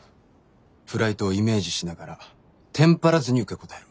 フライトをイメージしながらテンパらずに受け答えろ。